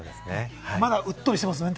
まだうっとりしてますもんね。